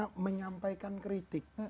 bagaimana menyampaikan kritik